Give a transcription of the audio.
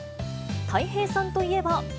たい平さんといえば。